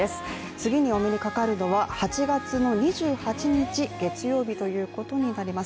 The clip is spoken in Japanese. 次にお目にかかるのは８月の２８日月曜日ということになります。